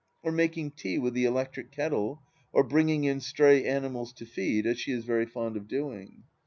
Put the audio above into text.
or making tea with the electric kettle, or bringing in stray animals to feed, as she is very fond of doing.